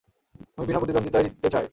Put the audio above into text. আমি বিনা প্রতিদ্বন্দ্বিতায় জিততে চাই।